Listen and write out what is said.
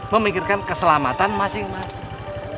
memikirkan keselamatan masing masing